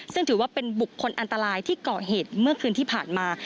ซึ่งถือว่าเป็นบุคคลอันตรายที่เกาะเหตุเมื่อคืนที่ผ่านมา